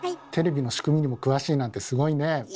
テレビの仕組みにも詳しいなんてすごいねえ。